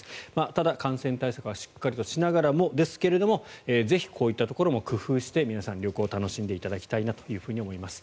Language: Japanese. ただ、感染対策はしっかりとしながらもぜひこういったところも工夫して皆さん旅行を楽しんでいただきたいと思います。